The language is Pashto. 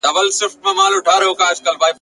ځوان له سپي څخه بېحده په عذاب سو ..